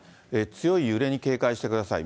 強い揺れに警戒してください。